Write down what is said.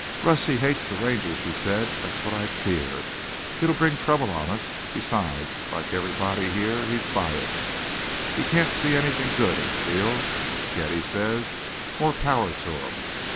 "Russ, he hates the Ranger," she said. "That's what I fear. It'll bring trouble on us. Besides, like everybody here, he's biased. He can't see anything good in Steele. Yet he says: 'More power to him!'